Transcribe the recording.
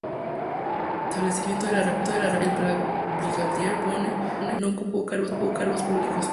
Tras el establecimiento de la República, el Brigadier Bonne no ocupó cargos públicos.